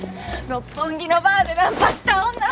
六本木のバーでナンパした女！